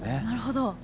なるほど。